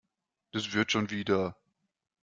Das wird schon wieder.